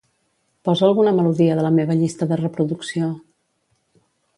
Posa alguna melodia de la meva llista de reproducció.